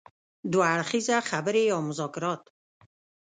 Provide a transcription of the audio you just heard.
دوه اړخیزه خبرې يا مذاکرات.